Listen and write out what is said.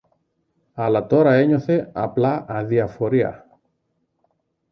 αλλά τώρα ένιωθε απλά αδιαφορία